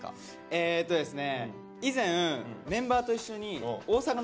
えっとですね